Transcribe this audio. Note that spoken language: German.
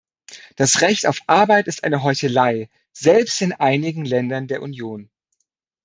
Das Recht auf Arbeit ist eine Heuchelei, selbst in einigen Ländern der Union.